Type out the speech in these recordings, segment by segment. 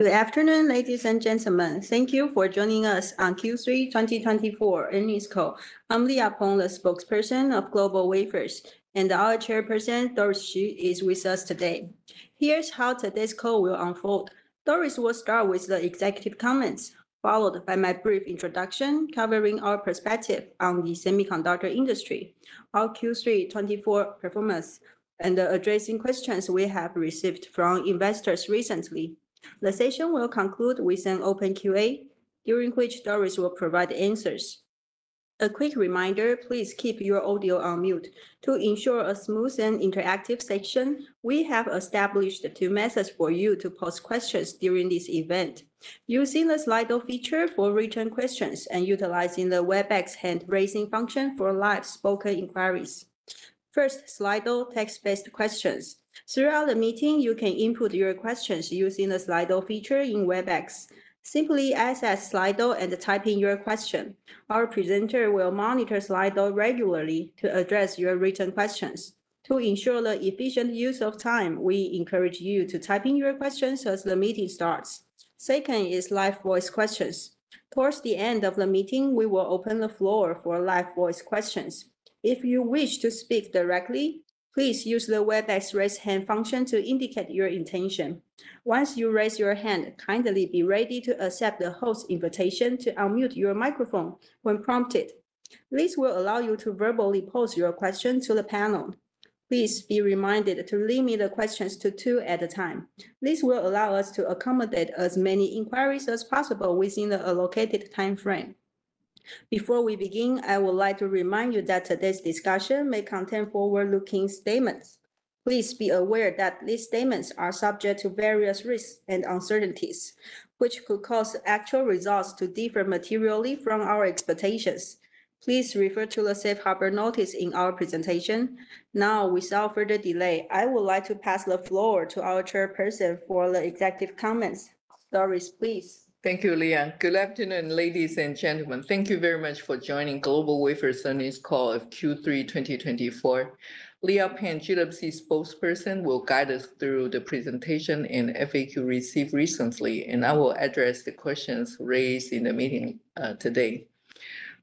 Good afternoon, ladies and gentlemen. Thank you for joining us on Q3 2024 Earnings Call. I'm Leah Peng, the spokesperson of GlobalWafers, and our chairperson, Doris Hsu, is with us today. Here's how today's call will unfold. Doris will start with the executive comments, followed by my brief introduction covering our perspective on the semiconductor industry, our Q3 2024 performance, and addressing questions we have received from investors recently. The session will conclude with an open Q&A, during which Doris will provide answers. A quick reminder: please keep your audio on mute. To ensure a smooth and interactive session, we have established two methods for you to post questions during this event. Use the Slido feature for written questions and utilize the Webex hand-raising function for live spoken inquiries. First, Slido text-based questions. Throughout the meeting, you can input your questions using the Slido feature in Webex. Simply access Slido and type in your question. Our presenter will monitor Slido regularly to address your written questions. To ensure the efficient use of time, we encourage you to type in your questions as the meeting starts. Second is live voice questions. Towards the end of the meeting, we will open the floor for live voice questions. If you wish to speak directly, please use the Webex raise hand function to indicate your intention. Once you raise your hand, kindly be ready to accept the host's invitation to unmute your microphone when prompted. This will allow you to verbally pose your question to the panel. Please be reminded to limit the questions to two at a time. This will allow us to accommodate as many inquiries as possible within the allocated time frame. Before we begin, I would like to remind you that today's discussion may contain forward-looking statements. Please be aware that these statements are subject to various risks and uncertainties, which could cause actual results to differ materially from our expectations. Please refer to the safe harbor notice in our presentation. Now, without further delay, I would like to pass the floor to our Chairperson for the executive comments. Doris, please. Thank you, Leah. Good afternoon, ladies and gentlemen. Thank you very much for joining GlobalWafers. Leah Peng, Hsiu-Lan Hsu, Spokesperson, will guide us through the presentation and FAQ received recently, and I will address the questions raised in the meeting today.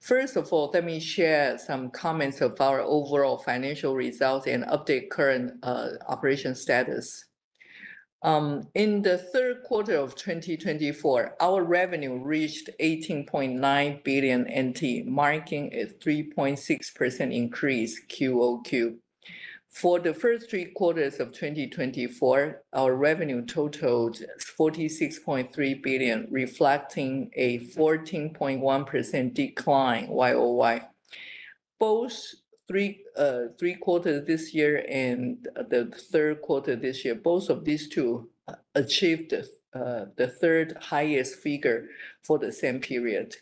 First of all, let me share some comments of our overall financial results and update current operation status. In the Q3 of 2024, our revenue reached NT$18.9 billion, marking a 3.6% increase QOQ. For the first three quarters of 2024, our revenue totaled NT$46.3 billion, reflecting a 14.1% decline YOY. Both three quarters this year and the Q3 this year, both of these two achieved the third highest figure for the same period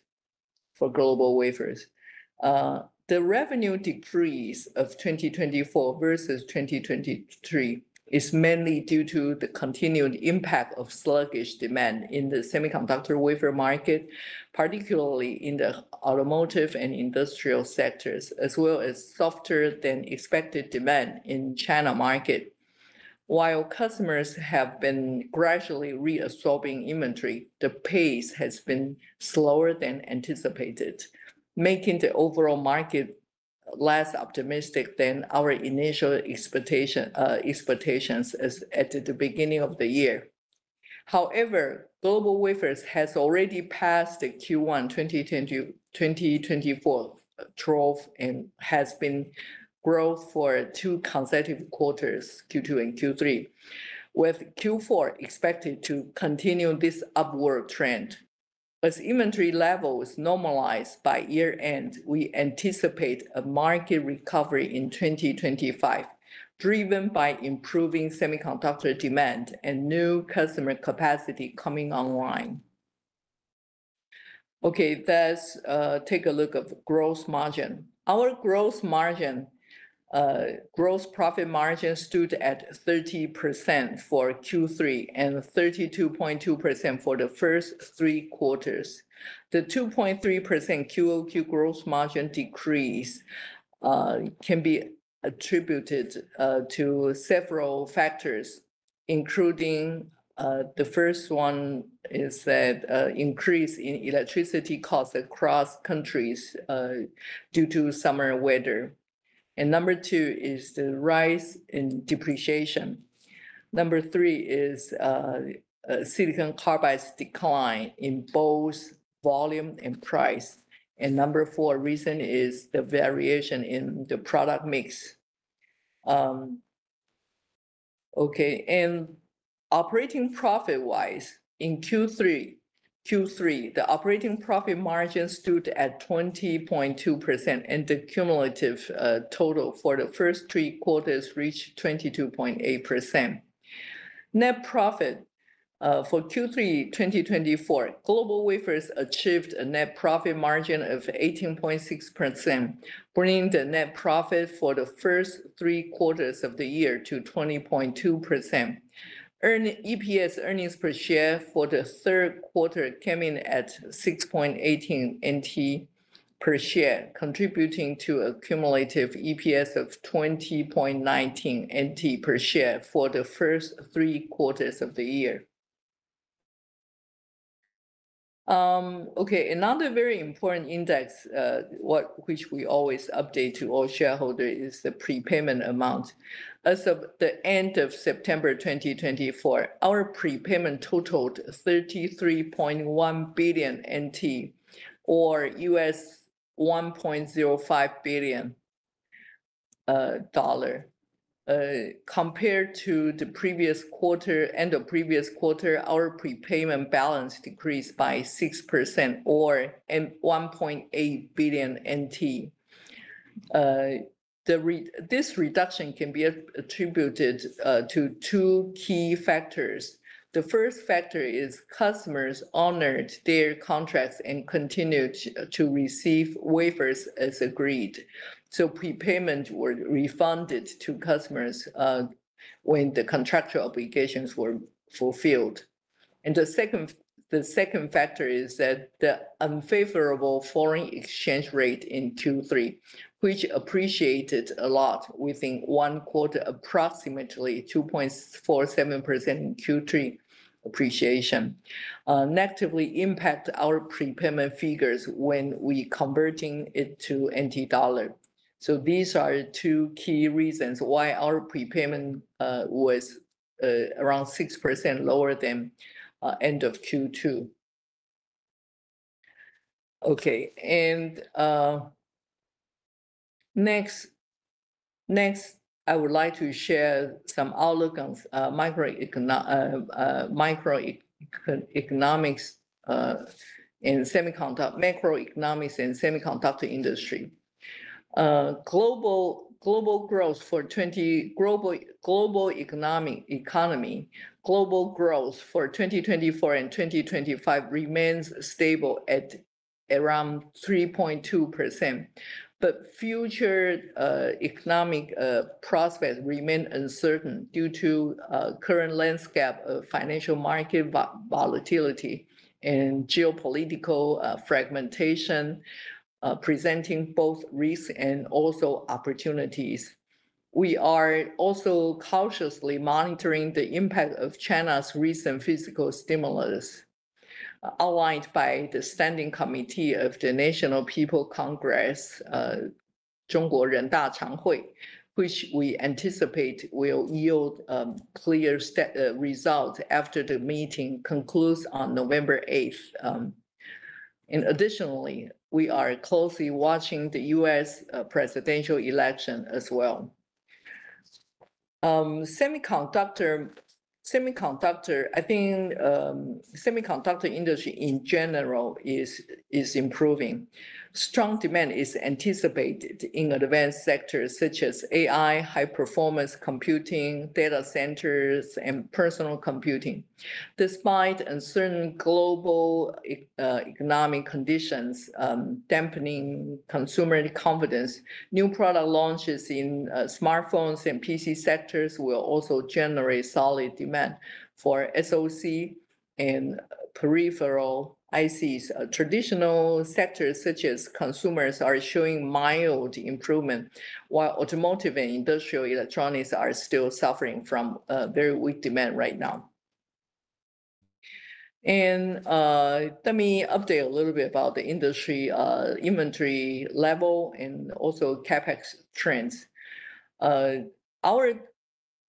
for GlobalWafers. The revenue decrease of 2024 versus 2023 is mainly due to the continued impact of sluggish demand in the semiconductor wafer market, particularly in the automotive and industrial sectors, as well as softer-than-expected demand in the China market. While customers have been gradually reabsorbing inventory, the pace has been slower than anticipated, making the overall market less optimistic than our initial expectations at the beginning of the year. However, GlobalWafers has already passed the Q1 2024 trough and has been growth for two consecutive quarters, Q2 and Q3, with Q4 expected to continue this upward trend. As inventory levels normalize by year-end, we anticipate a market recovery in 2025, driven by improving semiconductor demand and new customer capacity coming online. Okay, let's take a look at the gross margin. Our gross profit margin stood at 30% for Q3 and 32.2% for the first three quarters. The 2.3% QOQ gross margin decrease can be attributed to several factors, including the first one is that increase in electricity costs across countries due to summer weather. And number two is the rise in depreciation. Number three is silicon carbide's decline in both volume and price. And number four reason is the variation in the product mix. Okay, and operating profit-wise, in Q3, the operating profit margin stood at 20.2%, and the cumulative total for the first three quarters reached 22.8%. Net profit for Q3 2024, GlobalWafers achieved a net profit margin of 18.6%, bringing the net profit for the first three quarters of the year to 20.2%. Earned EPS earnings per share for the Q3 came in at NT$6.18 per share, contributing to a cumulative EPS of NT$20.19 per share for the first three quarters of the year. Okay, another very important index, which we always update to all shareholders, is the prepayment amount. As of the end of September 2024, our prepayment totaled NT$33.1 billion, or $1.05 billion. Compared to the previous quarter and the previous quarter, our prepayment balance decreased by 6%, or NT$1.8 billion. This reduction can be attributed to two key factors. The first factor is customers honored their contracts and continued to receive wafers as agreed, so prepayments were refunded to customers when the contractual obligations were fulfilled, and the second factor is that the unfavorable foreign exchange rate in Q3, which appreciated a lot within one quarter, approximately 2.47% in Q3 appreciation, negatively impacted our prepayment figures when we converted it to NT dollar, so these are two key reasons why our prepayment was around 6% lower than end of Q2. Okay, and next, I would like to share some outlook on macroeconomics and semiconductor economics and semiconductor industry. Global economy, global growth for 2024 and 2025 remains stable at around 3.2%, but future economic prospects remain uncertain due to the current landscape of financial market volatility and geopolitical fragmentation, presenting both risks and also opportunities. We are also cautiously monitoring the impact of China's recent fiscal stimulus, outlined by the Standing Committee of the National People's Congress, 中国人大常会, which we anticipate will yield clear results after the meeting concludes on November 8th, and additionally, we are closely watching the US presidential election as well. Semiconductor, I think semiconductor industry in general is improving. Strong demand is anticipated in advanced sectors such as AI, high-performance computing, data centers, and personal computing. Despite uncertain global economic conditions dampening consumer confidence, new product launches in smartphones and PC sectors will also generate solid demand for SOC and peripheral ICs. Traditional sectors such as consumers are showing mild improvement, while automotive and industrial electronics are still suffering from very weak demand right now. Let me update a little bit about the industry inventory level and also CapEx trends.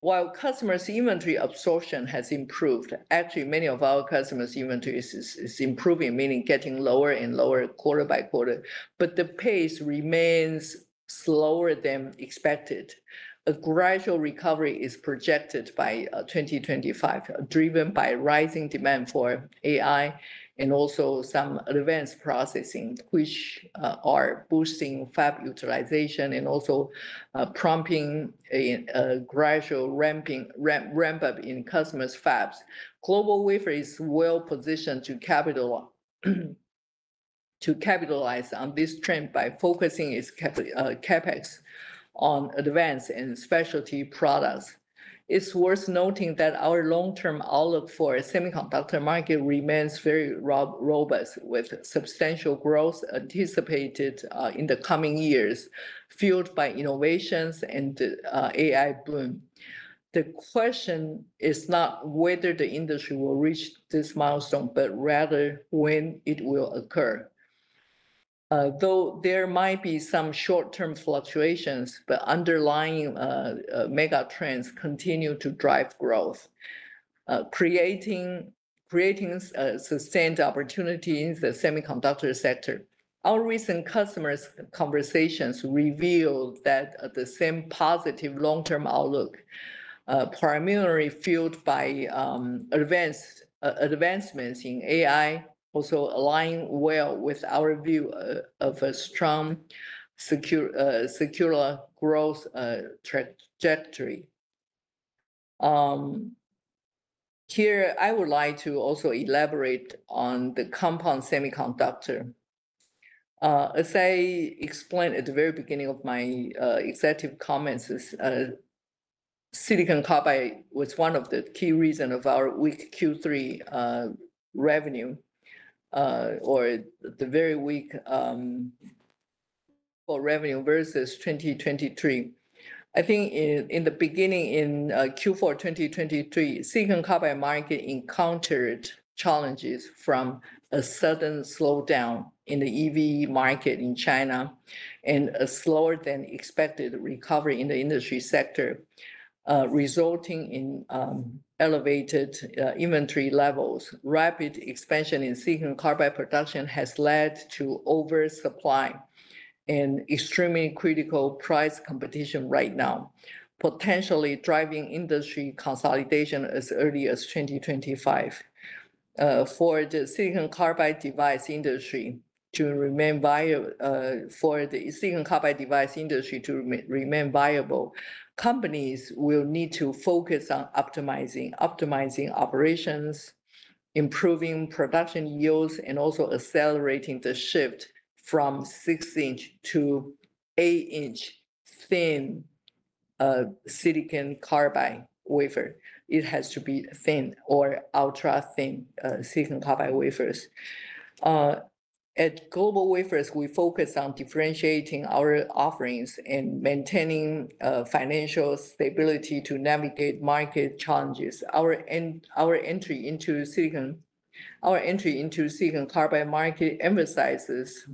While customers' inventory absorption has improved, actually many of our customers' inventory is improving, meaning getting lower and lower quarter by quarter, but the pace remains slower than expected. A gradual recovery is projected by 2025, driven by rising demand for AI and also some advanced processing, which are boosting fab utilization and also prompting a gradual ramp-up in customers' fabs. GlobalWafers is well positioned to capitalize on this trend by focusing its CapEx on advanced and specialty products. It's worth noting that our long-term outlook for the semiconductor market remains very robust, with substantial growth anticipated in the coming years, fueled by innovations and the AI boom. The question is not whether the industry will reach this milestone, but rather when it will occur. Though there might be some short-term fluctuations, the underlying mega trends continue to drive growth, creating sustained opportunities in the semiconductor sector. Our recent customers' conversations reveal that the same positive long-term outlook, primarily fueled by advancements in AI, also aligns well with our view of a strong secular growth trajectory. Here, I would like to also elaborate on the compound semiconductor. As I explained at the very beginning of my executive comments, silicon carbide was one of the key reasons of our weak Q3 revenue, or the very weak revenue versus 2023. I think in the beginning, in Q4 2023, the silicon carbide market encountered challenges from a sudden slowdown in the EV market in China and a slower-than-expected recovery in the industry sector, resulting in elevated inventory levels. Rapid expansion in silicon carbide production has led to oversupply and extremely critical price competition right now, potentially driving industry consolidation as early as 2025. For the silicon carbide device industry to remain viable, companies will need to focus on optimizing operations, improving production yields, and also accelerating the shift from 6-inch to 8-inch thin silicon carbide wafer. It has to be thin or ultra-thin silicon carbide wafers. At GlobalWafers, we focus on differentiating our offerings and maintaining financial stability to navigate market challenges. Our entry into silicon carbide market emphasizes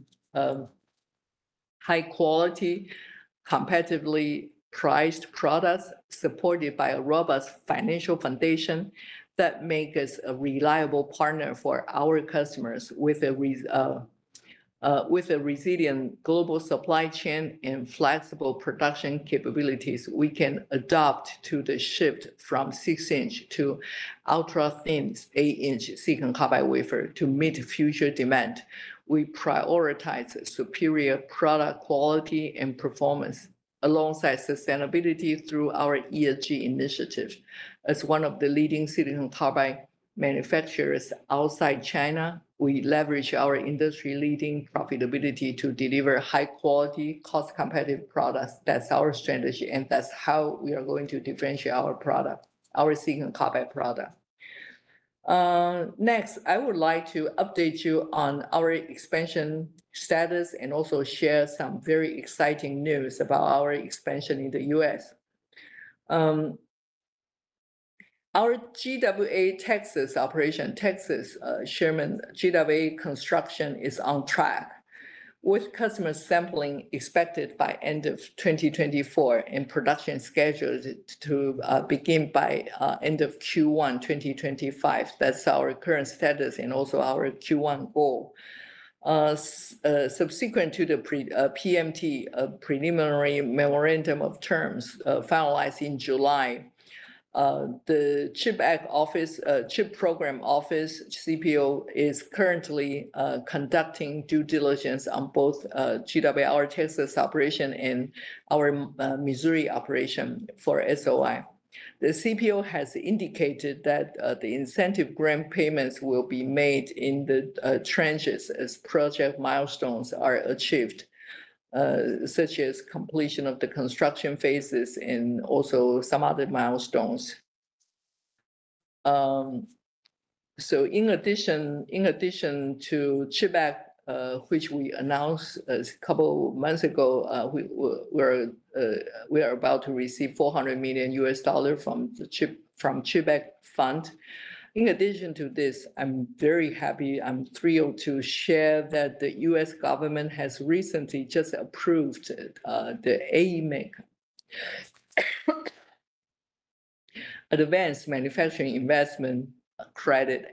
high-quality, competitively priced products supported by a robust financial foundation that makes us a reliable partner for our customers. With a resilient global supply chain and flexible production capabilities, we can adapt to the shift from 6-inch to ultra-thin 8-inch silicon carbide wafer to meet future demand. We prioritize superior product quality and performance alongside sustainability through our ESG initiative. As one of the leading silicon carbide manufacturers outside China, we leverage our industry-leading profitability to deliver high-quality, cost-competitive products. That's our strategy, and that's how we are going to differentiate our silicon carbide product. Next, I would like to update you on our expansion status and also share some very exciting news about our expansion in the US Our GWA Texas operation, Texas Sherman GWA Construction, is on track with customer sampling expected by end of 2024 and production scheduled to begin by end of Q1 2025. That's our current status and also our Q1 goal. Subsequent to the PMT preliminary memorandum of terms finalized in July, the CHIPS Act Office, CHIPS Program Office CPO, is currently conducting due diligence on both GWA Texas operation and our Missouri operation for SOI. The CPO has indicated that the incentive grant payments will be made in tranches as project milestones are achieved, such as completion of the construction phases and also some other milestones. In addition to CHIPS Act, which we announced a couple of months ago, we are about to receive $400 million from the CHIPS Act fund. In addition to this, I'm very happy, I'm thrilled to share that the US government has recently approved the AMIC, Advanced Manufacturing Investment Credit,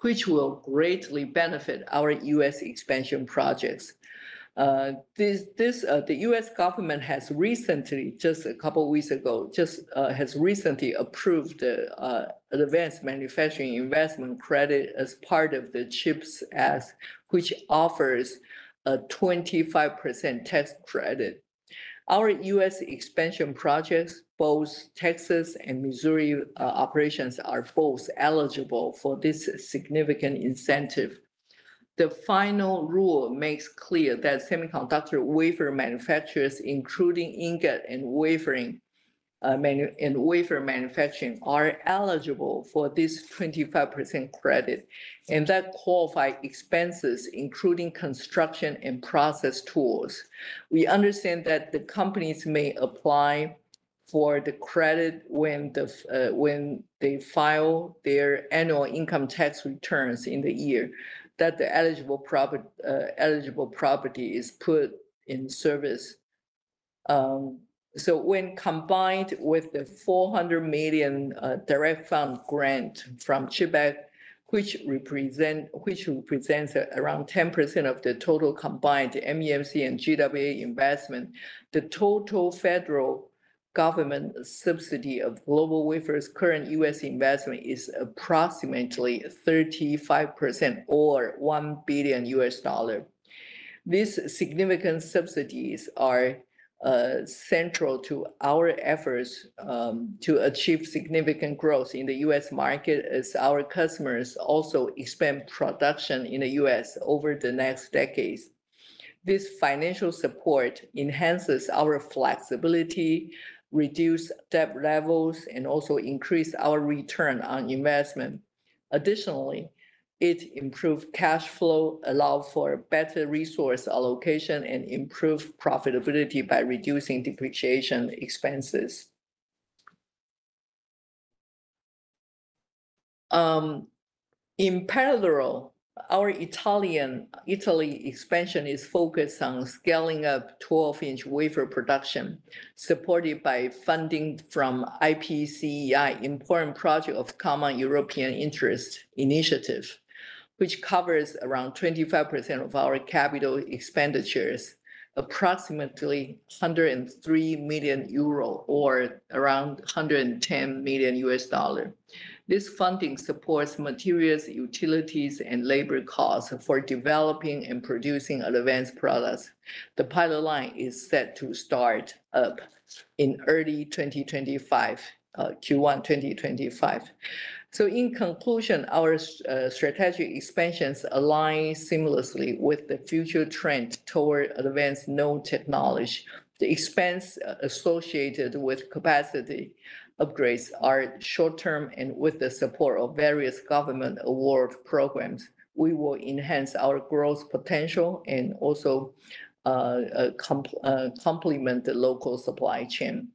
which will greatly benefit our US expansion projects. The US government has recently, just a couple of weeks ago, approved the Advanced Manufacturing Investment Credit as part of the CHIPS Act, which offers a 25% tax credit. Our US expansion projects, both Texas and Missouri operations, are both eligible for this significant incentive. The final rule makes clear that semiconductor wafer manufacturers, including ingot and wafer manufacturing, are eligible for this 25% credit, and that qualifies expenses, including construction and process tools. We understand that the companies may apply for the credit when they file their annual income tax returns in the year that the eligible property is put in service. So when combined with the $400 million direct fund grant from CHIPS Act, which represents around 10% of the total combined MEMC and GWA investment, the total federal government subsidy of GlobalWafers' current US investment is approximately 35% or $1 billion. These significant subsidies are central to our efforts to achieve significant growth in the US market as our customers also expand production in the US over the next decades. This financial support enhances our flexibility, reduces debt levels, and also increases our return on investment. Additionally, it improves cash flow, allows for better resource allocation, and improves profitability by reducing depreciation expenses. In parallel, our Italy expansion is focused on scaling up 12-inch wafer production, supported by funding from IPCEI, an Important Project of Common European Interest initiative, which covers around 25% of our capital expenditures, approximately 103 million euro or around $110 million. This funding supports materials, utilities, and labor costs for developing and producing advanced products. The pilot line is set to start up in early 2025, Q1 2025, so in conclusion, our strategic expansions align seamlessly with the future trend toward advanced nanotechnology. The expense associated with capacity upgrades are short-term, and with the support of various government award programs, we will enhance our growth potential and also complement the local supply chain.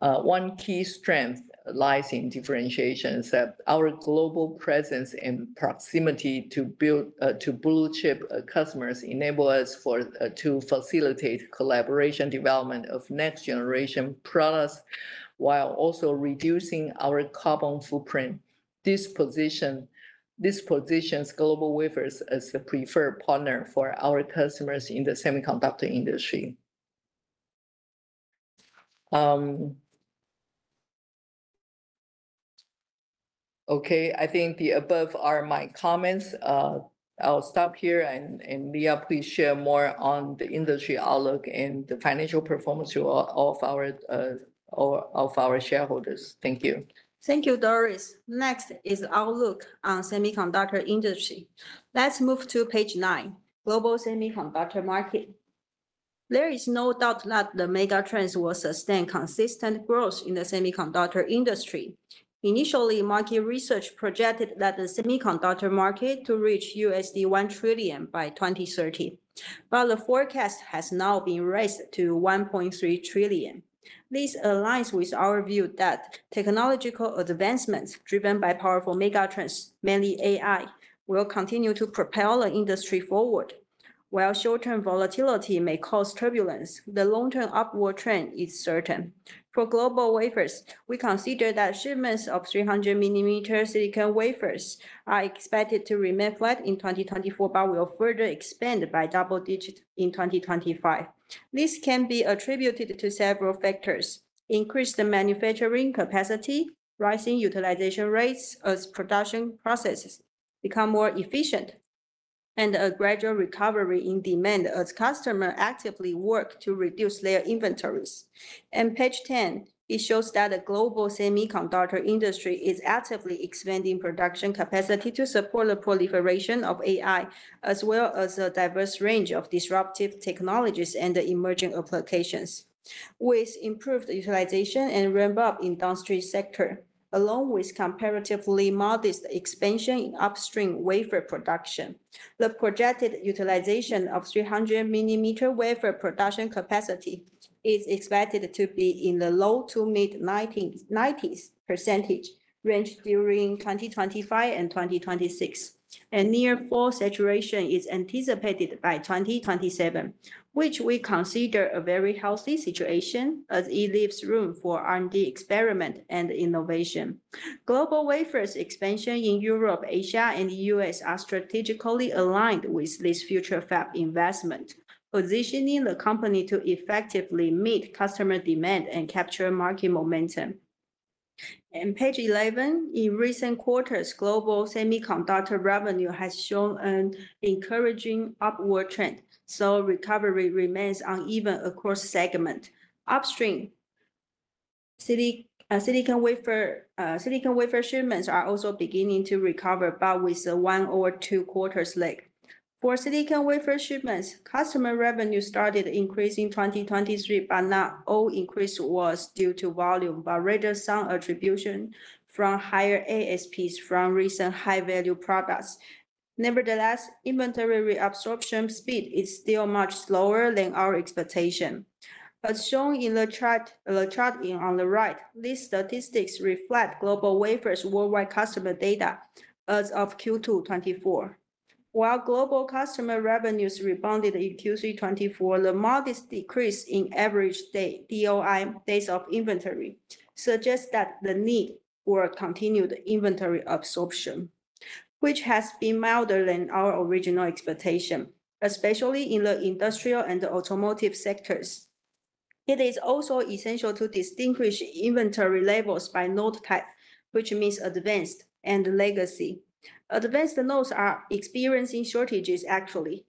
One key strength lies in differentiation is that our global presence and proximity to blue chip customers enables us to facilitate collaboration development of next-generation products while also reducing our carbon footprint. This positions GlobalWafers as a preferred partner for our customers in the semiconductor industry. Okay, I think the above are my comments. I'll stop here, and Leah, please share more on the industry outlook and the financial performance of our shareholders. Thank you. Thank you, Doris. Next is our look on the semiconductor industry. Let's move to page nine, Global Semiconductor Market. There is no doubt that the mega trends will sustain consistent growth in the semiconductor industry. Initially, market research projected that the semiconductor market to reach $1 trillion by 2030, but the forecast has now been raised to $1.3 trillion. This aligns with our view that technological advancements driven by powerful mega trends, mainly AI, will continue to propel the industry forward. While short-term volatility may cause turbulence, the long-term upward trend is certain. For GlobalWafers, we consider that shipments of 300-millimeter silicon wafers are expected to remain flat in 2024, but will further expand by double digits in 2025. This can be attributed to several factors: increased manufacturing capacity, rising utilization rates as production processes become more efficient, and a gradual recovery in demand as customers actively work to reduce their inventories. Page 10 shows that the global semiconductor industry is actively expanding production capacity to support the proliferation of AI, as well as a diverse range of disruptive technologies and emerging applications. With improved utilization and ramp-up in the downstream sector, along with comparatively modest expansion in upstream wafer production, the projected utilization of 300-millimeter wafer production capacity is expected to be in the low to mid-90s% range during 2025 and 2026. A near full saturation is anticipated by 2027, which we consider a very healthy situation as it leaves room for R&D experiment and innovation. GlobalWafers' expansion in Europe, Asia, and the US are strategically aligned with this future fab investment, positioning the company to effectively meet customer demand and capture market momentum. Page 11. In recent quarters, global semiconductor revenue has shown an encouraging upward trend, so recovery remains uneven across segments. Upstream, silicon wafer shipments are also beginning to recover, but with one or two quarters lag. For silicon wafer shipments, customer revenue started increasing in 2023, but not all increase was due to volume, but rather some attribution from higher ASPs from recent high-value products. Nevertheless, inventory reabsorption speed is still much slower than our expectation. As shown in the chart on the right, these statistics reflect GlobalWafers' worldwide customer data as of Q2 2024. While global customer revenues rebounded in Q3 2024, the modest decrease in average day DOI, days of inventory, suggests that the need for continued inventory absorption, which has been milder than our original expectation, especially in the industrial and automotive sectors. It is also essential to distinguish inventory labels by node type, which means advanced and legacy. Advanced nodes are experiencing shortages, actually,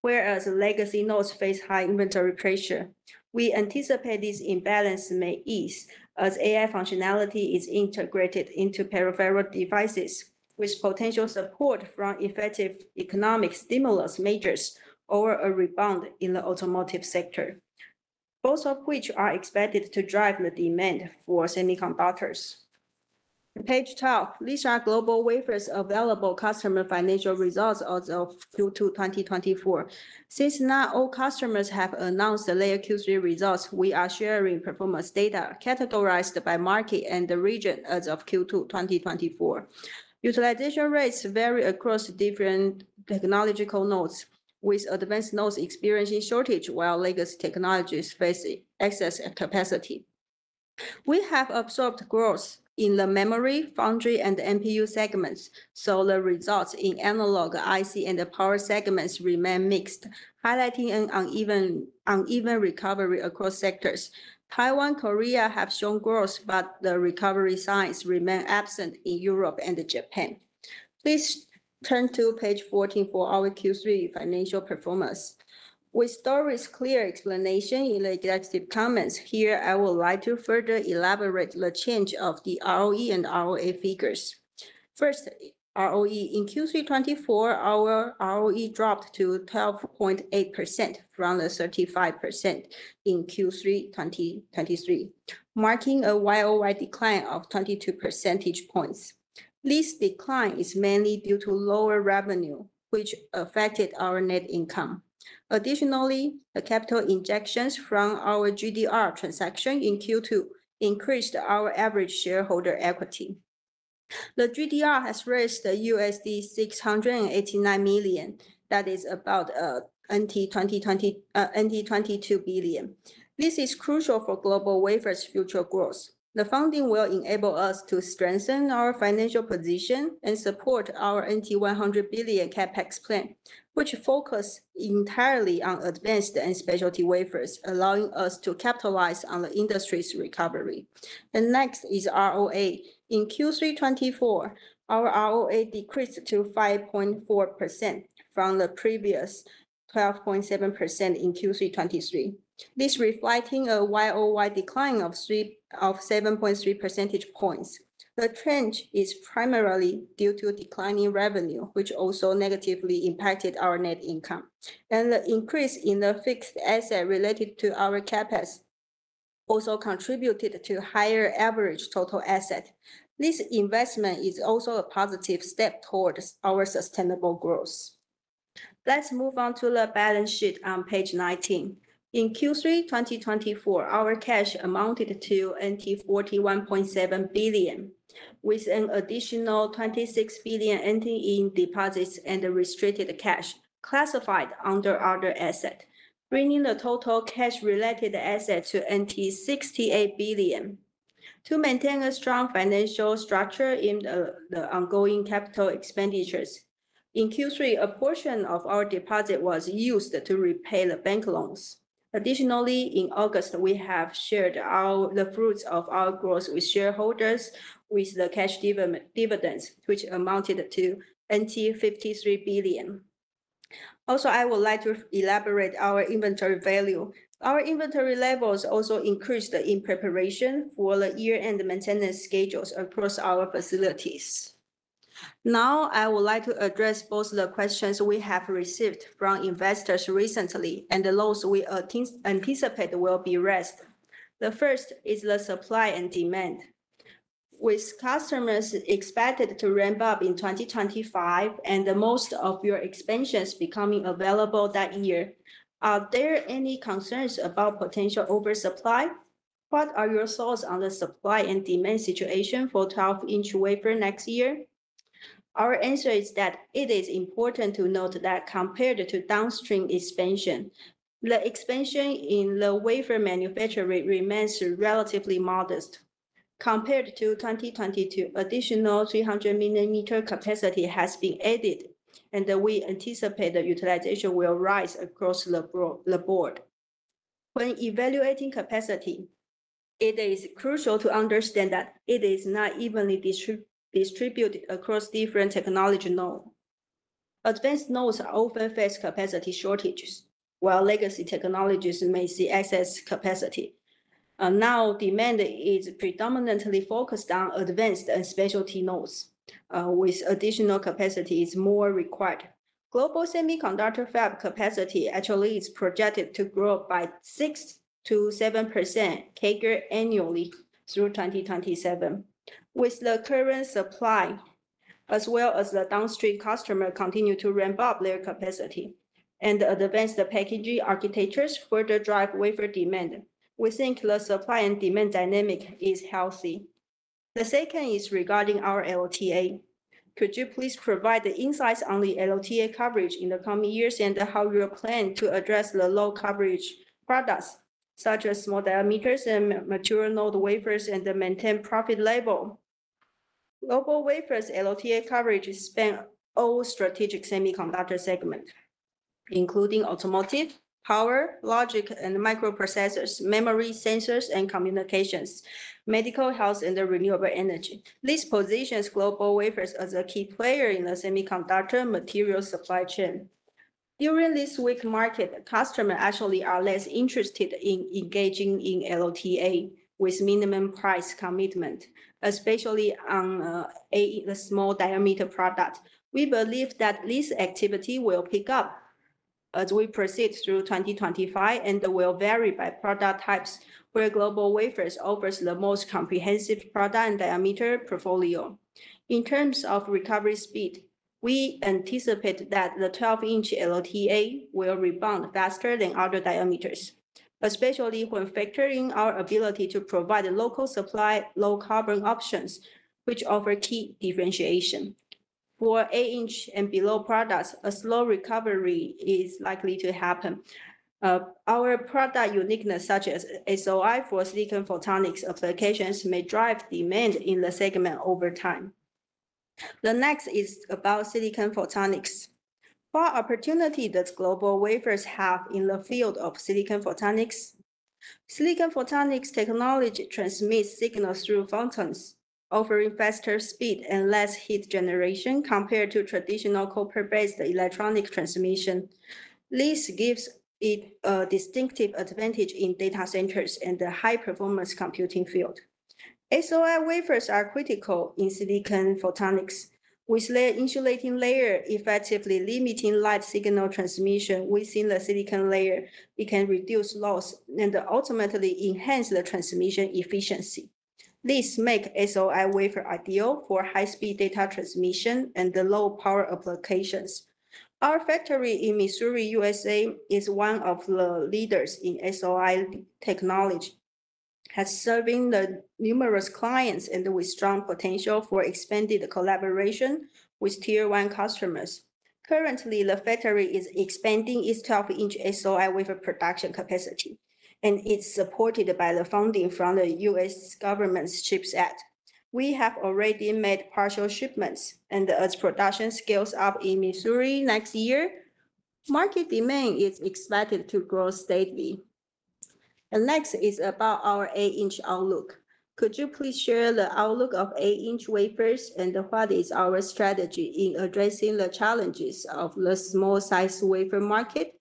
whereas legacy nodes face high inventory pressure. We anticipate this imbalance may ease as AI functionality is integrated into peripheral devices, with potential support from effective economic stimulus measures or a rebound in the automotive sector, both of which are expected to drive the demand for semiconductors. On page 12, these are GlobalWafers' available customer financial results as of Q2 2024. Since not all customers have announced the latest Q3 results, we are sharing performance data categorized by market and the region as of Q2 2024. Utilization rates vary across different technological nodes, with advanced nodes experiencing shortage while legacy technologies face excess capacity. We have observed growth in the memory, foundry, and the NPU segments, so the results in analog IC and the power segments remain mixed, highlighting an uneven recovery across sectors. Taiwan and Korea have shown growth, but the recovery signs remain absent in Europe and Japan. Please turn to page 14 for our Q3 financial performance. With Doris' clear explanation in the executive comments, here I would like to further elaborate the change of the ROE and ROA figures. First, ROE in Q3 2024, our ROE dropped to 12.8% from the 35% in Q3 2023, marking a worldwide decline of 22 percentage points. This decline is mainly due to lower revenue, which affected our net income. Additionally, the capital injections from our GDR transaction in Q2 increased our average shareholder equity. The GDR has raised $689 million. That is about NT$ 22 billion. This is crucial for GlobalWafers' future growth. The funding will enable us to strengthen our financial position and support our NT$ 100 billion CapEx plan, which focuses entirely on advanced and specialty wafers, allowing us to capitalize on the industry's recovery. And next is ROA. In Q3 2024, our ROA decreased to 5.4% from the previous 12.7% in Q3 2023. This reflects a worldwide decline of 7.3 percentage points. The change is primarily due to declining revenue, which also negatively impacted our net income, and the increase in the fixed asset related to our CapEx also contributed to higher average total asset. This investment is also a positive step towards our sustainable growth. Let's move on to the balance sheet on page 19. In Q3 2024, our cash amounted to NT$ 41.7 billion, with an additional NT$ 26 billion entering in deposits and restricted cash classified under other assets, bringing the total cash-related assets to NT$ 68 billion. To maintain a strong financial structure in the ongoing capital expenditures, in Q3, a portion of our deposit was used to repay the bank loans. Additionally, in August, we have shared the fruits of our growth with shareholders, with the cash dividends, which amounted to NT$ 53 billion. Also, I would like to elaborate on our inventory value. Our inventory levels also increased in preparation for the year-end maintenance schedules across our facilities. Now, I would like to address both the questions we have received from investors recently and the Q&As we anticipate will be raised. The first is the supply and demand. With customers expected to ramp up in 2025 and most of our expansions becoming available that year, are there any concerns about potential oversupply? What are your thoughts on the supply and demand situation for 12-inch wafer next year? Our answer is that it is important to note that compared to downstream expansion, the expansion in the wafer manufacturing remains relatively modest. Compared to 2022, additional 300-millimeter capacity has been added, and we anticipate the utilization will rise across the board. When evaluating capacity, it is crucial to understand that it is not evenly distributed across different technology nodes. Advanced nodes often face capacity shortages, while legacy technologies may see excess capacity. Now, demand is predominantly focused on advanced and specialty nodes, with additional capacity more required. Global semiconductor fab capacity actually is projected to grow by 6%-7% CAGR annually through 2027. With the current supply, as well as the downstream customers continuing to ramp up their capacity and advanced packaging architectures further drive wafer demand, we think the supply and demand dynamic is healthy. The second is regarding our LTA. Could you please provide the insights on the LTA coverage in the coming years and how you plan to address the low coverage products such as small diameters and mature node wafers and the maintained profit level? GlobalWafers' LTA coverage spans all strategic semiconductor segments, including automotive, power, logic, and microprocessors, memory, sensors, and communications, medical health, and renewable energy. This positions GlobalWafers as a key player in the semiconductor material supply chain. During this weak market, customers actually are less interested in engaging in LTA with minimum price commitment, especially on a small diameter product. We believe that this activity will pick up as we proceed through 2025 and will vary by product types where GlobalWafers offers the most comprehensive product and diameter portfolio. In terms of recovery speed, we anticipate that the 12-inch LTA will rebound faster than other diameters, especially when factoring our ability to provide local supply low-carbon options, which offer key differentiation. For 8-inch and below products, a slow recovery is likely to happen. Our product uniqueness, such as SOI for silicon photonics applications, may drive demand in the segment over time. The next is about silicon photonics. What opportunity does GlobalWafers have in the field of silicon photonics? Silicon photonics technology transmits signals through photons, offering faster speed and less heat generation compared to traditional copper-based electronic transmission. This gives it a distinctive advantage in data centers and the high-performance computing field. SOI wafers are critical in silicon photonics, with their insulating layer effectively limiting light signal transmission within the silicon layer. It can reduce loss and ultimately enhance the transmission efficiency. This makes SOI wafer ideal for high-speed data transmission and low-power applications. Our factory in Missouri, USA, is one of the leaders in SOI technology, serving numerous clients and with strong potential for expanded collaboration with tier-one customers. Currently, the factory is expanding its 12-inch SOI wafer production capacity, and it's supported by the funding from the US government's CHIPS Act. We have already made partial shipments, and as production scales up in Missouri next year, market demand is expected to grow steadily. The next is about our eight-inch outlook. Could you please share the outlook of eight-inch wafers and what is our strategy in addressing the challenges of the small-sized wafer market?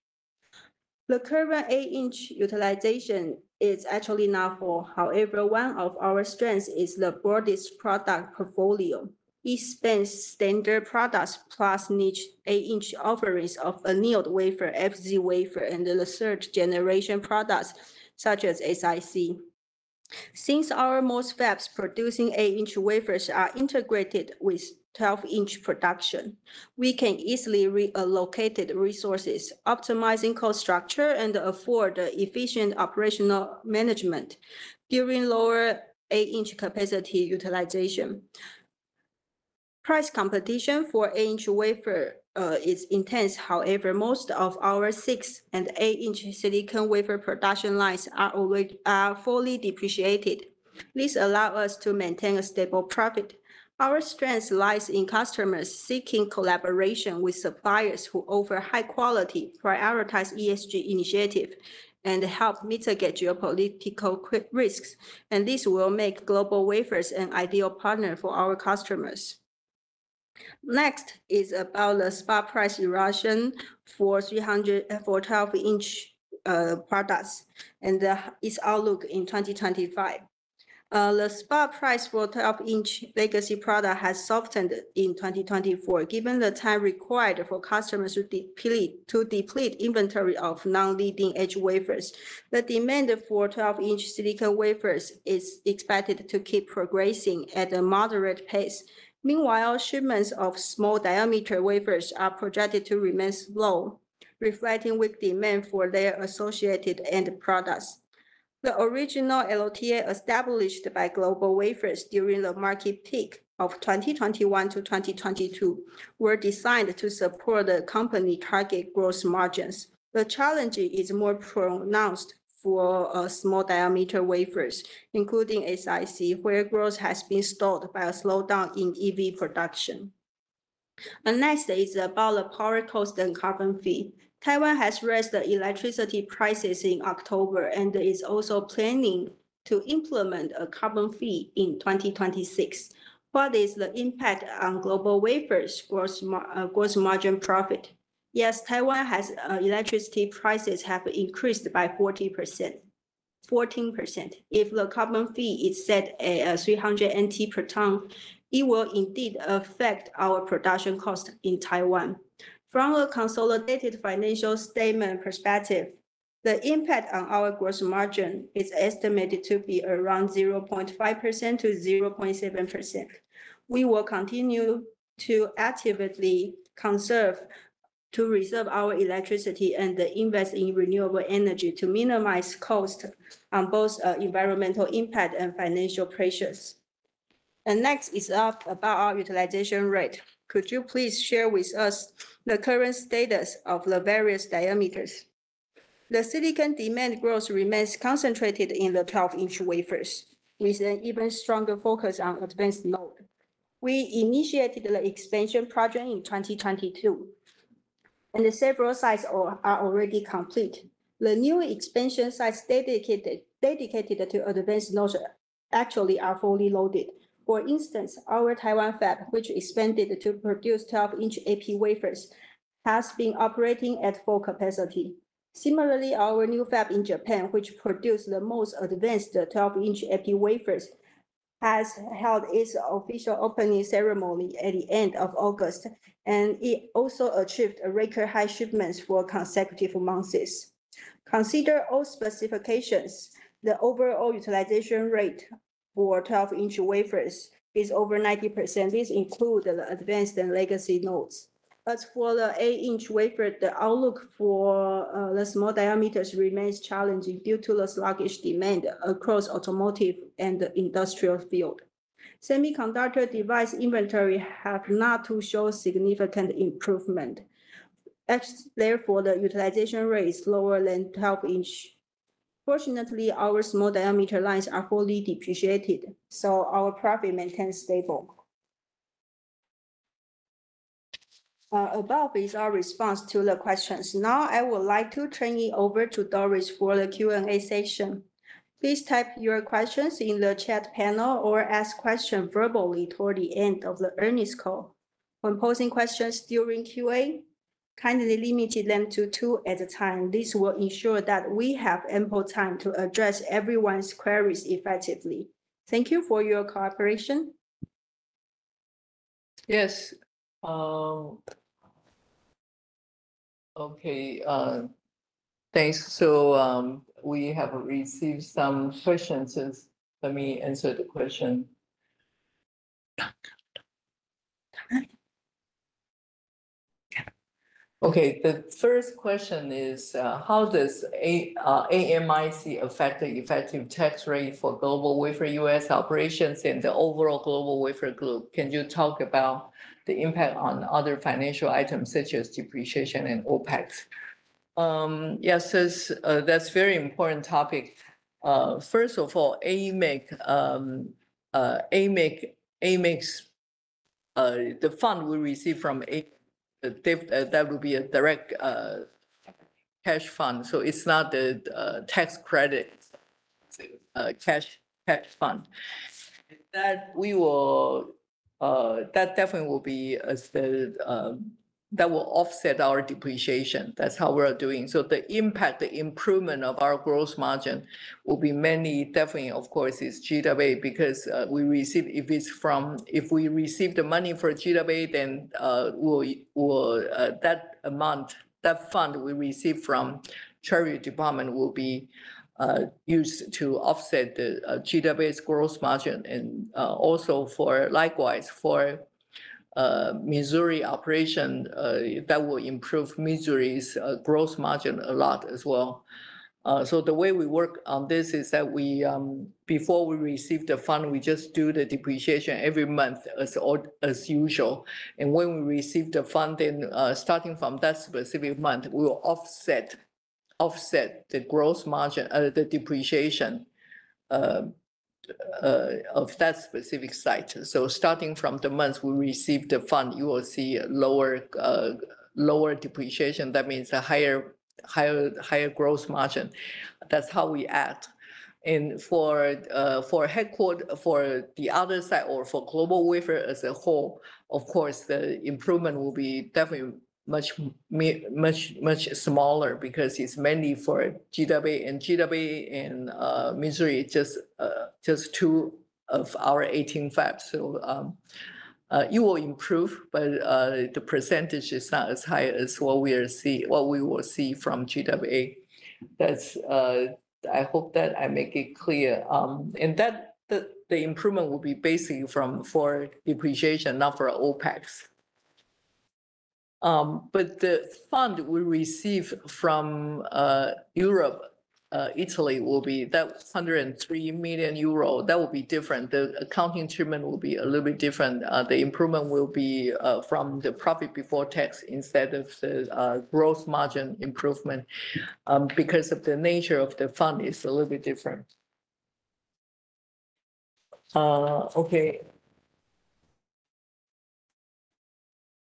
The current eight-inch utilization is actually not full. However, one of our strengths is the broadest product portfolio. It spans standard products plus niche 8-inch offerings of annealed wafer, FZ wafer, and the third-generation products such as Sic Since most of our fabs producing 8-inch wafers are integrated with 12-inch production, we can easily reallocate resources, optimize cost structure, and achieve efficient operational management during lower 8-inch capacity utilization. Price competition for 8-inch wafer is intense. However, most of our 6- and 8-inch silicon wafer production lines are already fully depreciated. This allows us to maintain a stable profit. Our strength lies in customers seeking collaboration with suppliers who offer high-quality, prioritized ESG initiatives and help mitigate geopolitical risks, and this will make GlobalWafers an ideal partner for our customers. Next is about the spot price erosion for 12-inch products and its outlook in 2025. The spot price for 12-inch legacy products has softened in 2024. Given the time required for customers to deplete inventory of non-leading edge wafers, the demand for 12-inch silicon wafers is expected to keep progressing at a moderate pace. Meanwhile, shipments of small diameter wafers are projected to remain slow, reflecting weak demand for their associated end products. The original LTA established by GlobalWafers during the market peak of 2021 to 2022 were designed to support the company's target gross margins. The challenge is more pronounced for small diameter wafers, including SiC, where growth has been stalled by a slowdown in EV production. The next is about the power cost and carbon fee. Taiwan has raised electricity prices in October and is also planning to implement a carbon fee in 2026. What is the impact on GlobalWafers' gross margin profit? Yes, Taiwan's electricity prices have increased by 14%. If the carbon fee is set at 300 NT per ton, it will indeed affect our production costs in Taiwan. From a consolidated financial statement perspective, the impact on our gross margin is estimated to be around 0.5% to 0.7%. We will continue to actively conserve to reserve our electricity and invest in renewable energy to minimize costs on both environmental impact and financial pressures. Next is about our utilization rate. Could you please share with us the current status of the various diameters? The silicon demand growth remains concentrated in the 12-inch wafers, with an even stronger focus on advanced nodes. We initiated the expansion project in 2022, and several sites are already complete. The new expansion sites dedicated to advanced nodes actually are fully loaded. For instance, our Taiwan fab, which expanded to produce 12-inch AP wafers, has been operating at full capacity. Similarly, our new fab in Japan, which produced the most advanced 12-inch AP wafers, has held its official opening ceremony at the end of August, and it also achieved record-high shipments for consecutive months. Consider all specifications. The overall utilization rate for 12-inch wafers is over 90%. This includes the advanced and legacy nodes. As for the 8-inch wafer, the outlook for the small diameters remains challenging due to the sluggish demand across the automotive and the industrial field. Semiconductor device inventory has not shown significant improvement. Therefore, the utilization rate is lower than 12-inch. Fortunately, our small diameter lines are fully depreciated, so our profit remains stable. Above is our response to the questions. Now, I would like to turn it over to Doris for the Q&A session. Please type your questions in the chat panel or ask questions verbally toward the end of the earnings call. When posing questions during Q&A, kindly limit them to two at a time. This will ensure that we have ample time to address everyone's queries effectively. Thank you for your cooperation. Yes. Okay. Thanks. So we have received some questions. Let me answer the question. Okay. The first question is, how does AMIC affect the effective tax rate for GlobalWafers US operations and the overall GlobalWafers group? Can you talk about the impact on other financial items such as depreciation and OpEx? Yes, that's a very important topic. First of all, AMIC, the fund we receive from AMIC, that would be a direct cash fund. So it's not a tax credit cash fund. That definitely will offset our depreciation. That's how we're doing. The impact, the improvement of our gross margin will be mainly, definitely, of course, is GWA because if we receive the money for GWA, then that amount, that fund we receive from the Treasury Department will be used to offset GWA's gross margin. Also, likewise, for Missouri operations, that will improve Missouri's gross margin a lot as well. The way we work on this is that before we receive the fund, we just do the depreciation every month as usual. When we receive the fund, then starting from that specific month, we will offset the gross margin or the depreciation of that specific site. Starting from the month we receive the fund, you will see a lower depreciation. That means a higher gross margin. That's how we act. For the other side or for GlobalWafers as a whole, of course, the improvement will be definitely much, much, much smaller because it's mainly for GWA and GWA and Missouri, just two of our 18 fabs. It will improve, but the percentage is not as high as what we will see from GWA. I hope that I make it clear. The improvement will be basically for depreciation, not for OpEx. The fund we receive from Europe, Italy, will be that 103 million euro. That will be different. The accounting treatment will be a little bit different. The improvement will be from the profit before tax instead of the gross margin improvement because of the nature of the fund is a little bit different. Okay.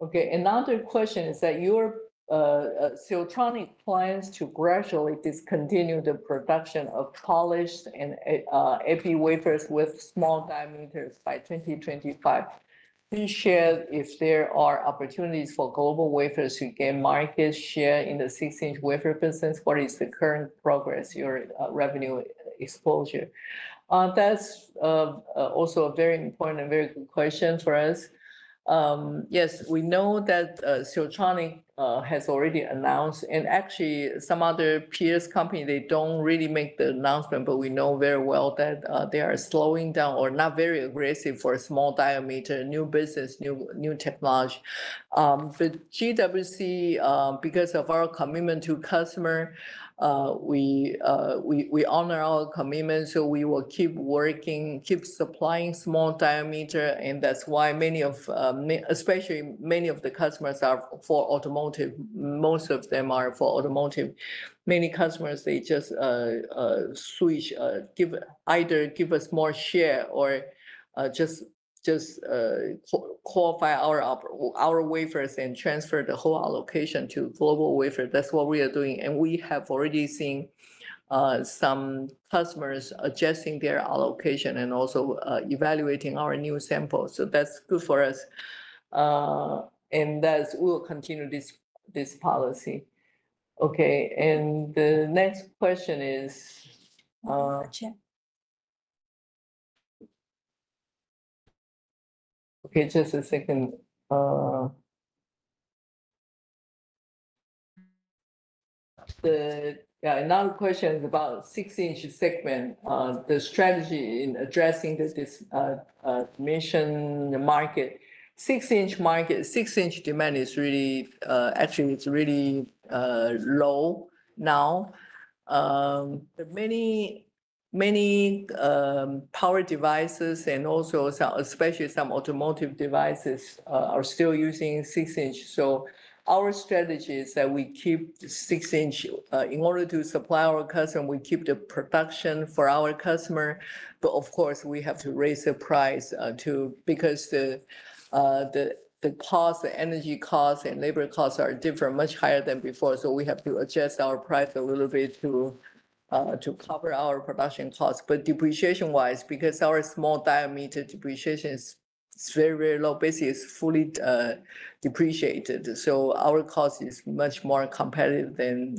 Okay. Another question is that your Siltronic plans to gradually discontinue the production of polished and AP wafers with small diameters by 2025. Please share if there are opportunities for GlobalWafers to gain market share in the 6-inch wafer business. What is the current progress, your revenue exposure? That's also a very important and very good question for us. Yes, we know that Siltronic has already announced, and actually, some other peers' companies, they don't really make the announcement, but we know very well that they are slowing down or not very aggressive for small diameter, new business, new technology. But GWC, because of our commitment to customers, we honor our commitment. So we will keep working, keep supplying small diameter. And that's why many of, especially many of the customers are for automotive. Most of them are for automotive. Many customers, they just switch, either give us more share or just qualify our wafers and transfer the whole allocation to GlobalWafers. That's what we are doing, and we have already seen some customers adjusting their allocation and also evaluating our new samples, so that's good for us, and we will continue this policy. Okay, and the next question is. Okay, just a second. Another question is about 6-inch segment, the strategy in addressing the demand market. 6-inch market, 6-inch demand is really, actually, it's really low now. Many, many power devices and also, especially some automotive devices, are still using 6-inch, so our strategy is that we keep 6-inch. In order to supply our customers, we keep the production for our customers. But of course, we have to raise the price because the cost, the energy cost, and labor costs are different, much higher than before. So we have to adjust our price a little bit to cover our production costs. But depreciation-wise, because our small diameter depreciation is very, very low, basically it's fully depreciated. So our cost is much more competitive than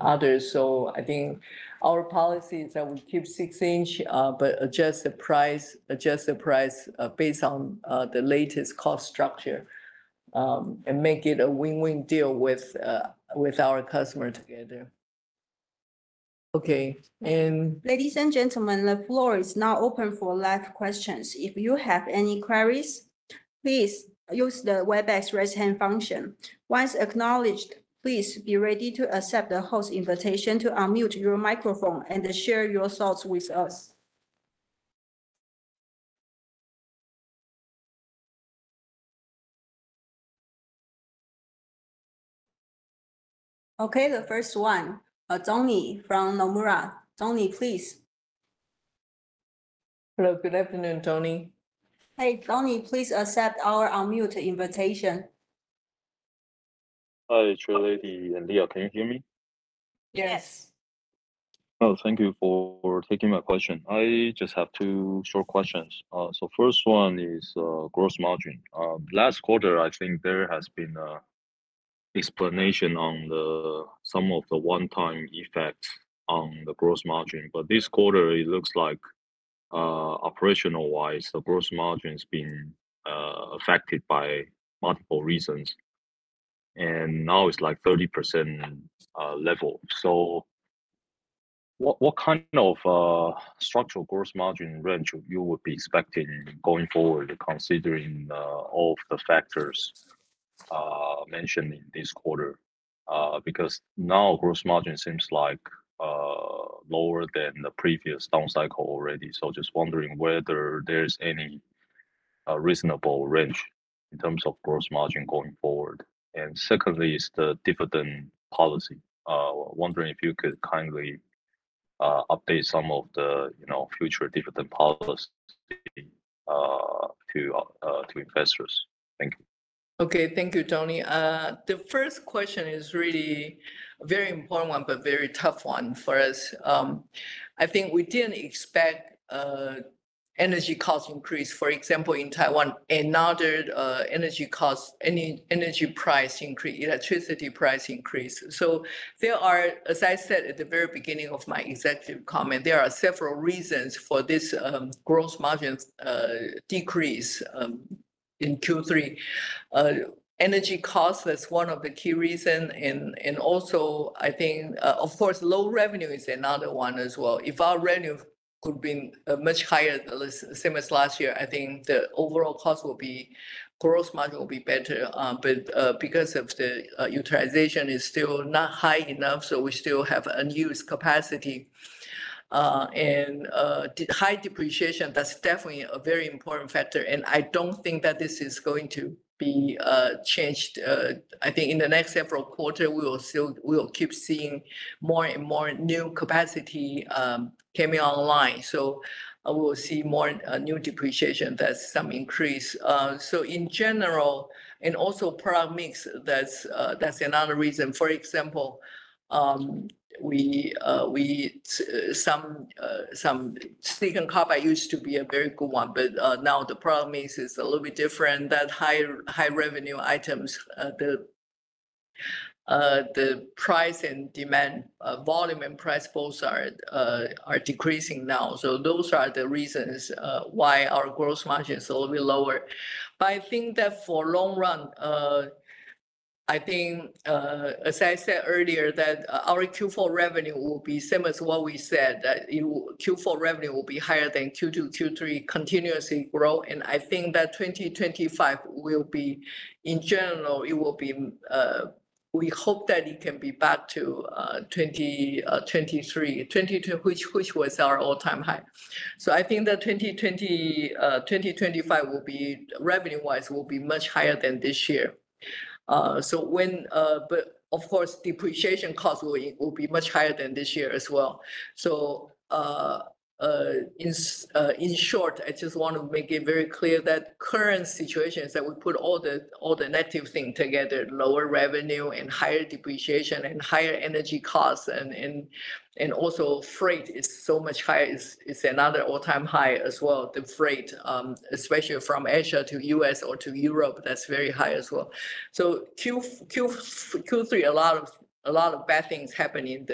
others. So I think our policy is that we keep 6-inch but adjust the price based on the latest cost structure and make it a win-win deal with our customers together. Okay. And.. ladies and gentlemen, the floor is now open for live questions. If you have any queries, please use the Webex raise hand function. Once acknowledged, please be ready to accept the host invitation to unmute your microphone and share your thoughts with us. Okay, the first one, Donnie from Nomura. Donnie, please. Hello, good afternoon, Donnie. Hey, Donnie, please accept our unmute invitation. Hi, Chairlady and Leah. Can you hear me? Yes. Oh, thank you for taking my question. I just have two short questions. So the first one is gross margin. Last quarter, I think there has been an explanation on some of the one-time effects on the gross margin. But this quarter, it looks like operational-wise, the gross margin has been affected by multiple reasons. And now it's like 30% level. So what kind of structural gross margin range would you be expecting going forward, considering all of the factors mentioned in this quarter? Because now gross margin seems like lower than the previous down cycle already. So just wondering whether there's any reasonable range in terms of gross margin going forward. And secondly, it's the dividend policy. Wondering if you could kindly update some of the future dividend policy to investors. Thank you. Okay, thank you, Donnie. The first question is really a very important one, but a very tough one for us. I think we didn't expect energy cost increase, for example, in Taiwan, another energy cost, any energy price increase, electricity price increase, so there are, as I said at the very beginning of my executive comment, there are several reasons for this gross margin decrease in Q3. Energy cost, that's one of the key reasons, and also, I think, of course, low revenue is another one as well. If our revenue could be much higher, same as last year, I think the overall cost will be gross margin will be better, but because of the utilization, it's still not high enough, so we still have unused capacity, and high depreciation, that's definitely a very important factor, and I don't think that this is going to be changed. I think in the next several quarters, we will keep seeing more and more new capacity coming online. So we will see more new depreciation. That's some increase. So in general, and also product mix, that's another reason. For example, some silicon carbide used to be a very good one, but now the product mix is a little bit different. That high revenue items, the price and demand volume and price both are decreasing now. So those are the reasons why our gross margin is a little bit lower. But I think that for the long run, I think, as I said earlier, that our Q4 revenue will be similar to what we said, that Q4 revenue will be higher than Q2, Q3 continuously grow. And I think that 2025 will be, in general, it will be, we hope that it can be back to 2023, which was our all-time high. So I think that 2025 will be, revenue-wise, will be much higher than this year. So when, but of course, depreciation cost will be much higher than this year as well. So in short, I just want to make it very clear that current situations that we put all the negative things together, lower revenue and higher depreciation and higher energy costs and also freight is so much higher. It's another all-time high as well, the freight, especially from Asia to the US or to Europe. That's very high as well. So Q3, a lot of bad things happened in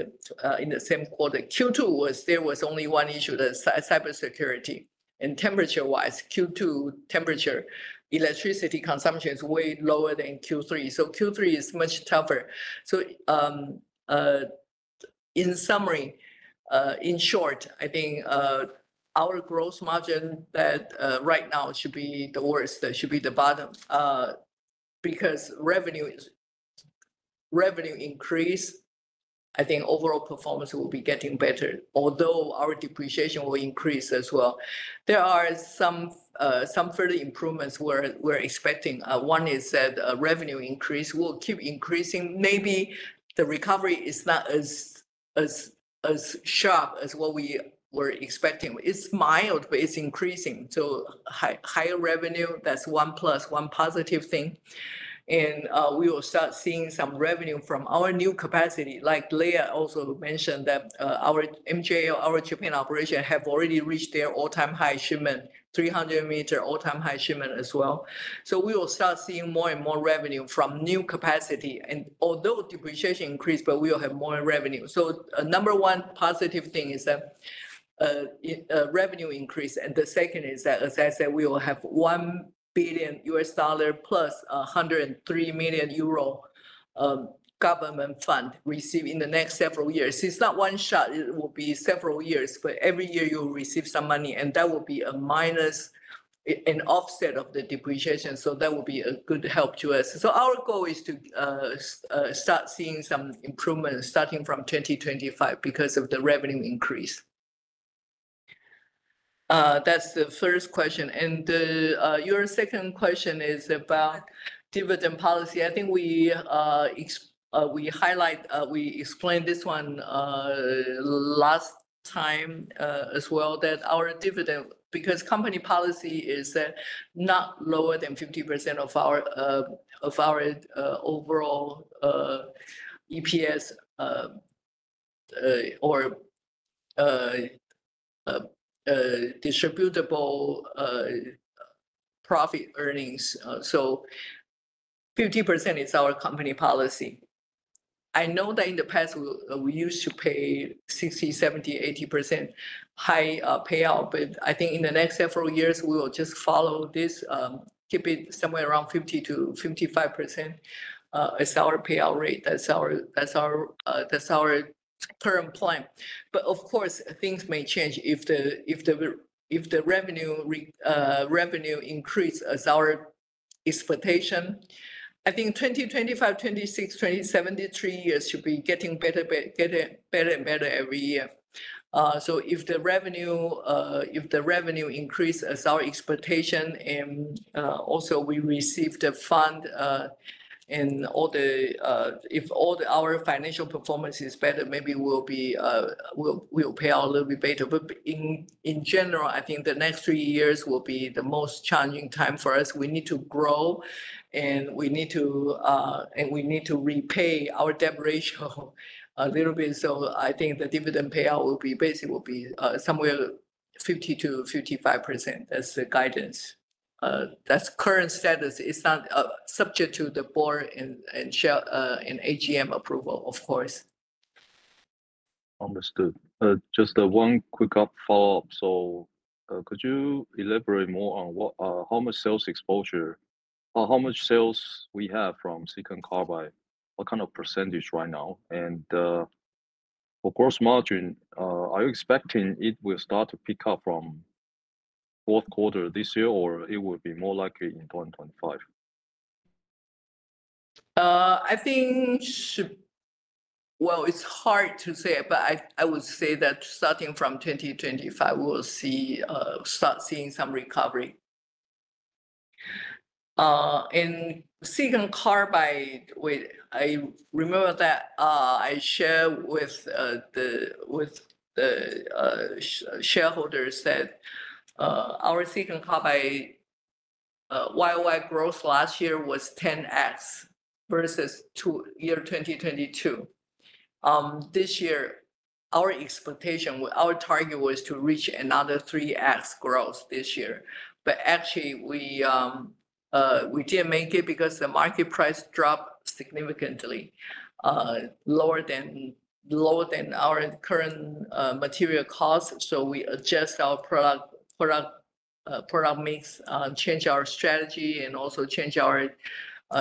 the same quarter. Q2, there was only one issue, the cybersecurity. And temperature-wise, Q2 temperature, electricity consumption is way lower than Q3. So Q3 is much tougher. So in summary, in short, I think our gross margin right now should be the worst. That should be the bottom. Because revenue increase, I think overall performance will be getting better, although our depreciation will increase as well. There are some further improvements we're expecting. One is that revenue increase will keep increasing. Maybe the recovery is not as sharp as what we were expecting. It's mild, but it's increasing. So higher revenue, that's one plus one positive thing. And we will start seeing some revenue from our new capacity. Like Leah also mentioned that our MJA, our Japan operation have already reached their all-time high shipment, 300mm all-time high shipment as well. So we will start seeing more and more revenue from new capacity. And although depreciation increased, but we will have more revenue. So number one positive thing is that revenue increase. The second is that, as I said, we will have $1 billion plus 103 million euro government fund received in the next several years. It's not one shot. It will be several years, but every year you will receive some money. And that will be a minus and offset of the depreciation. So that will be a good help to us. Our goal is to start seeing some improvement starting from 2025 because of the revenue increase. That's the first question. Your second question is about dividend policy. I think we highlight, we explained this one last time as well, that our dividend, because company policy is not lower than 50% of our overall EPS or distributable profit earnings. So 50% is our company policy. I know that in the past, we used to pay 60%, 70%, 80% high payout. But I think in the next several years, we will just follow this, keep it somewhere around 50% to 55% as our payout rate. That's our current plan. But of course, things may change if the revenue increase as our expectation. I think 2025, 2026, 2027, these three years should be getting better and better every year. So if the revenue increase as our expectation, and also we receive the fund and all the, if all our financial performance is better, maybe we'll pay out a little bit better. But in general, I think the next three years will be the most challenging time for us. We need to grow, and we need to, and we need to repay our debt ratio a little bit. So I think the dividend payout will be basically will be somewhere 50% to 55%. That's the guidance. That's current status. It's not subject to the board and AGM approval, of course. Understood. Just one quick follow-up. So could you elaborate more on how much sales exposure, how much sales we have from silicon carbide, what kind of percentage right now? And for gross margin, are you expecting it will start to pick up from Q4 this year, or it will be more likely in 2025? I think, well, it's hard to say, but I would say that starting from 2025, we'll start seeing some recovery. And silicon carbide, I remember that I shared with the shareholders that our silicon carbide YY growth last year was 10X versus year 2022. This year, our expectation, our target was to reach another 3X growth this year. But actually, we didn't make it because the market price dropped significantly, lower than our current material costs. So we adjust our product mix, change our strategy, and also change our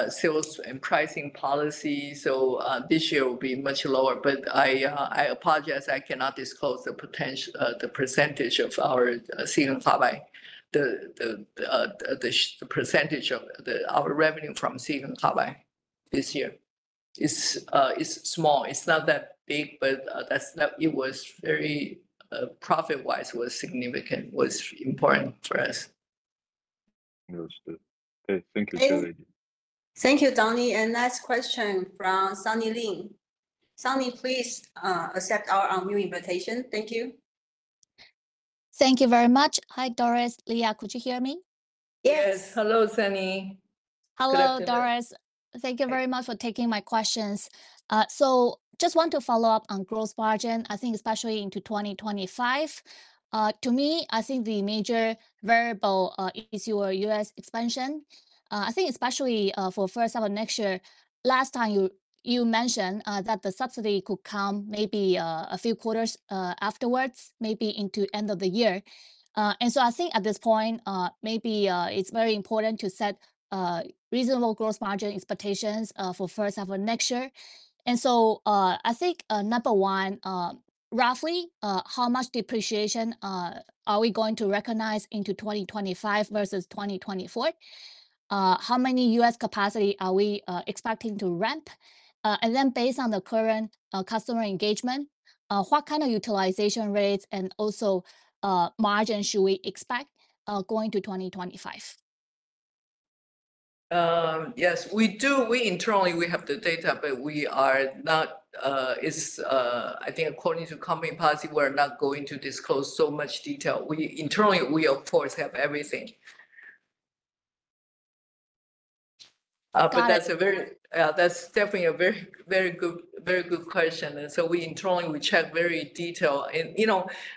sales and pricing policy. So this year will be much lower. But I apologize. I cannot disclose the percentage of our silicon carbide, the percentage of our revenue from silicon carbide this year. It's small. It's not that big, but it was very profit-wise, was significant, was important for us. Understood. Okay, thank you, Doris. Thank you, Donnie. And last question from Sunny Lin. Sunny, please accept our unmute invitation. Thank you. Thank you very much. Hi, Doris. Leah, could you hear me? Yes. Hello, Sunny. Hello, Doris. Thank you very much for taking my questions. So just want to follow up on gross margin, I think especially into 2025. To me, I think the major variable is your US expansion. I think especially for first half of next year. Last time you mentioned that the subsidy could come maybe a few quarters afterwards, maybe into the end of the year, and so I think at this point, maybe it's very important to set reasonable gross margin expectations for first half of next year, and so I think number one, roughly how much depreciation are we going to recognize into 2025 versus 2024? How many US capacity are we expecting to ramp? And then based on the current customer engagement, what kind of utilization rates and also margin should we expect going to 2025? Yes, we do. We internally have the data, but I think according to company policy, we're not going to disclose so much detail. We internally of course have everything. But that's definitely a very good question, and so we internally check very detailed.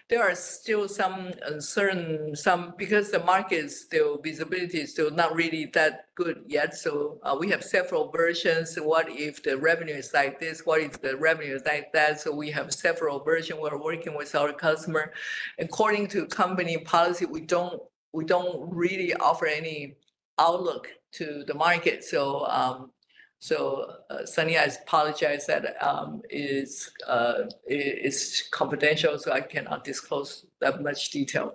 There are still some uncertainty because the market's visibility is still not really that good yet. So we have several versions. What if the revenue is like this? What if the revenue is like that? So we have several versions. We're working with our customer. According to company policy, we don't really offer any outlook to the market. So Sunny, I apologize that it's confidential, so I cannot disclose that much detail.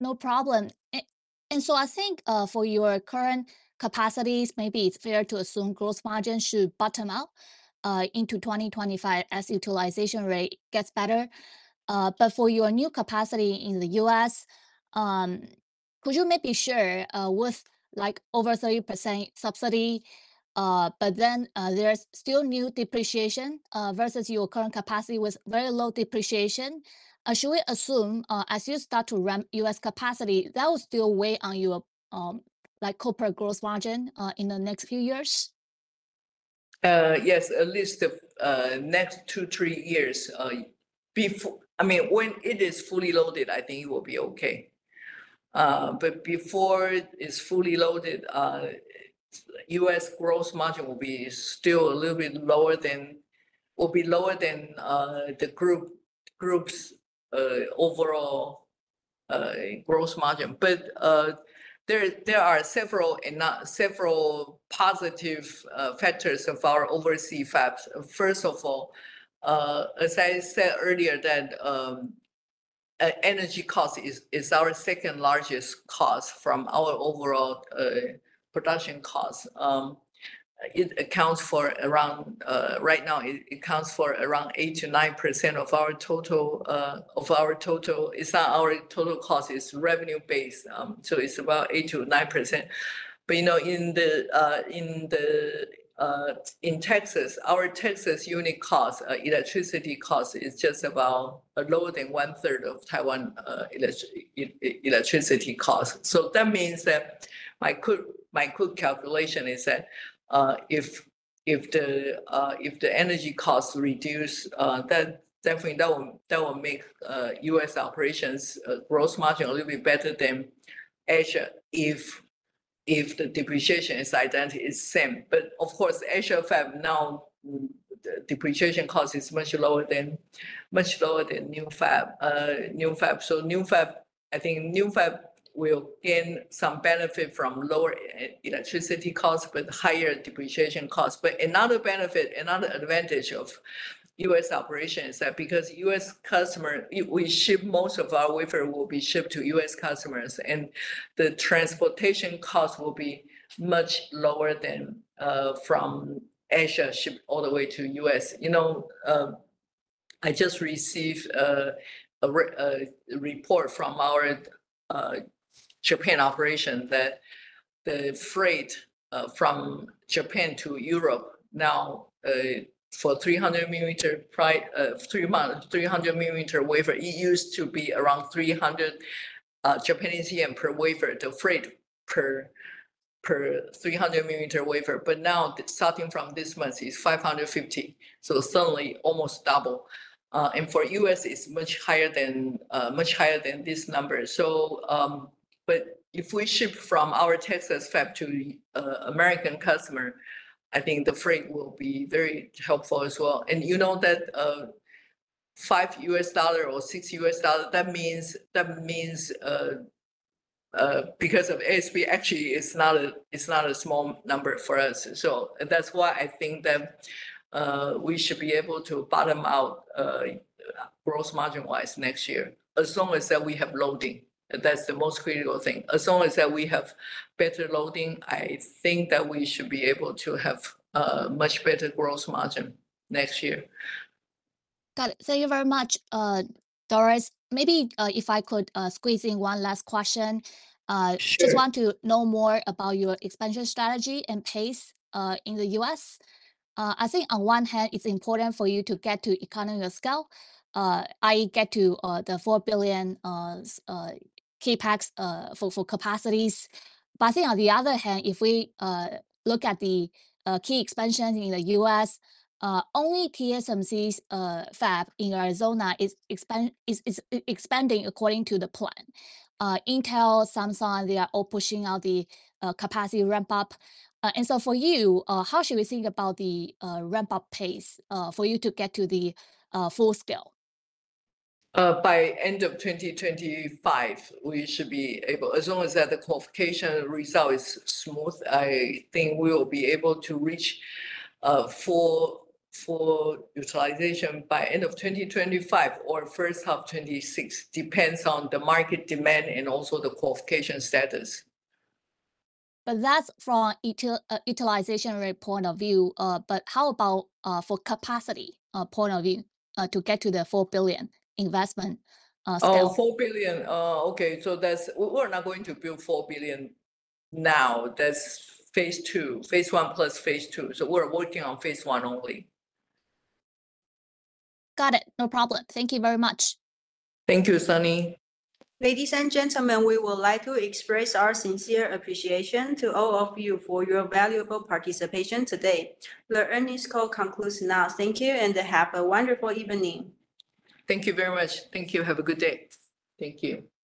No problem. I think for your current capacities, maybe it's fair to assume gross margin should bottom out into 2025 as utilization rate gets better. But for your new capacity in the US, could you maybe share with over 30% subsidy, but then there's still new depreciation versus your current capacity with very low depreciation? Should we assume as you start to ramp US capacity, that will still weigh on your corporate gross margin in the next few years? Yes, at least the next two, three years. I mean, when it is fully loaded, I think it will be okay. But before it's fully loaded, US gross margin will be still a little bit lower than the group's overall gross margin. But there are several positive factors of our overseas fabs. First of all, as I said earlier, that energy cost is our second largest cost from our overall production cost. It accounts for around right now 8%-9% of our total. It's not our total cost, it's revenue-based. So it's about 8% to 9%. But in Texas, our Texas unit cost, electricity cost is just about lower than one-third of Taiwan electricity cost. So that means that my quick calculation is that if the energy costs reduce, that definitely will make US operations gross margin a little bit better than Asia if the depreciation is identical, it's the same. But of course, Asia fab now, depreciation cost is much lower than new fab. So new fab, I think new fab will gain some benefit from lower electricity cost, but higher depreciation cost. But another benefit, another advantage of US operations is that because US customer, we ship most of our wafer will be shipped to US customers. And the transportation cost will be much lower than from Asia shipped all the way to US I just received a report from our Japan operation that the freight from Japan to Europe now for 300-millimeter wafer. It used to be around 300 Japanese yen per wafer, the freight per 300-millimeter wafer. But now starting from this month, it's 550. Suddenly almost double. For the US, it's much higher than much higher than this number. If we ship from our Texas fab to American customer, I think the freight will be very helpful as well. You know that $5 or $6, that means because of, actually it's not a small number for us. That's why I think that we should be able to bottom out gross margin-wise next year. As long as that we have loading, that's the most critical thing. As long as we have better loading, I think that we should be able to have much better gross margin next year. Got it. Thank you very much, Doris. Maybe if I could squeeze in one last question. Sure. Just want to know more about your expansion strategy and pace in the US I think on one hand, it's important for you to get to economy of scale, i.e., get to the 4 billion CapEx for capacities. But I think on the other hand, if we look at the key expansion in the US, only TSMC's fab in Arizona is expanding according to the plan. Intel, Samsung, they are all pushing out the capacity ramp-up. And so for you, how should we think about the ramp-up pace for you to get to the full scale? By end of 2025, we should be able, as long as the qualification result is smooth. I think we will be able to reach full utilization by end of 2025 or first half 2026, depends on the market demand and also the qualification status. But that's from a utilization point of view. But how about for capacity point of view to get to the $4 billion investment? $4 billion. Okay. So we're not going to build $4 billion now. That's phase two, phase one plus phase two. So we're working on phase one only. Got it. No problem. Thank you very much. Thank you, Sunny. Ladies and gentlemen, we would like to express our sincere appreciation to all of you for your valuable participation today. The earnings call concludes now. Thank you and have a wonderful evening. Thank you very much. Thank you. Have a good day. Thank you.